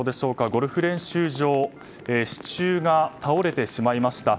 ゴルフ練習場の支柱が倒れてしまいました。